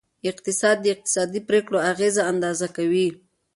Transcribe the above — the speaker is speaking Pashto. اقتصاد د اقتصادي پریکړو اغیزه اندازه کوي.